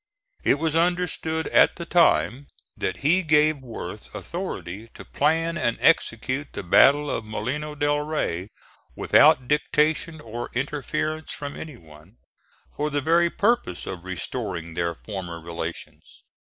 It was understood at the time that he gave Worth authority to plan and execute the battle of Molino del Rey without dictation or interference from any one, for the very purpose of restoring their former relations.